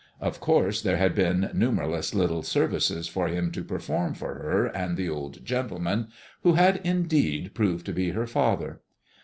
Of course there had been numberless little services for him to perform for her and the old gentleman, who had indeed proved to be her father.